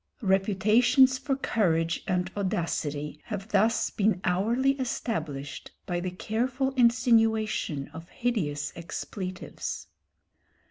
Reputations for courage and audacity have thus been hourly established by the careful insinuation of hideous expletives.